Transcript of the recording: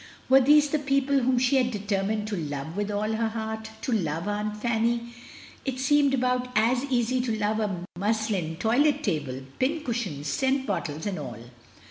Were these the people whom she had determined to love with all her heart? To love Aunt Fanny! It seemed about as easy to love a muslin toilet table, pincushions, scent bottles, and all.